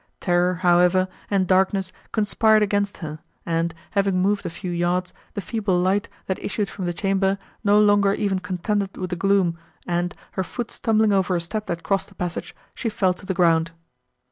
Terror, however, and darkness conspired against her, and, having moved a few yards, the feeble light, that issued from the chamber, no longer even contended with the gloom, and, her foot stumbling over a step that crossed the passage, she fell to the ground.